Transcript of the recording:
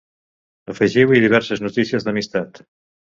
Afegiu-hi diverses notícies d'amistat.